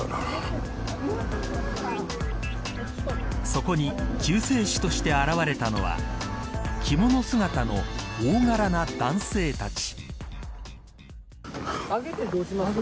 そこに、救世主として現れたのは着物姿の大柄な男性たち。